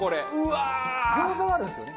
餃子はあるんですよね？